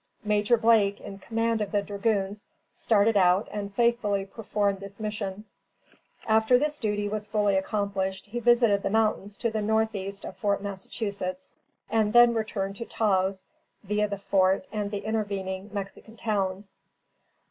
Major Blake, in command of the dragoons, started out and faithfully performed this mission. After this duty was fully accomplished, he visited the mountains to the northeast of Fort Massachusetts, and then returned to Taos viâ the fort and the intervening Mexican towns.